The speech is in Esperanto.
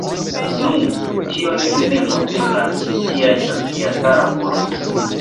Nu, tio nin ne koncernas, tia estas lia cara volo!